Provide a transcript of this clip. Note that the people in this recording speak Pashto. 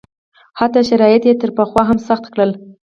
حتی شرایط یې تر پخوا هم سخت کړل.